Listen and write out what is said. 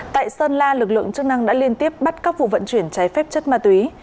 tại sơn la lực lượng chức năng đã liên tiếp bắt các vụ vận chuyển trái phép chất ma túy